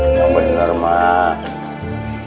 emang bener mak